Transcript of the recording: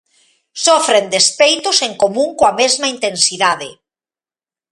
Sofren despeitos en común coa mesma intensidade.